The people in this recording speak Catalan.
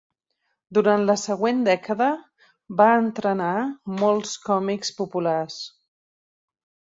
Durant la següent dècada va entrenar mols còmics populars.